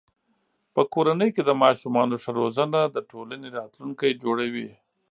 په کورنۍ کې د ماشومانو ښه روزنه د ټولنې راتلونکی جوړوي.